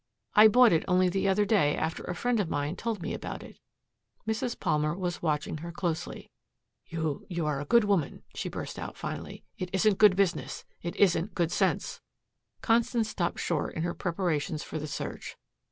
I bought it only the other day after a friend of mine told me about it." Mrs. Palmer was watching her closely. "You you are a wonderful woman," she burst out finally. "It isn't good business, it isn't good sense." Constance stopped short in her preparations for the search.